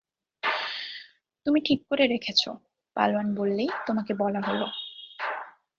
তুমি ঠিক করে রেখেছ, পালোয়ান বললেই তোমাকে বলা হল।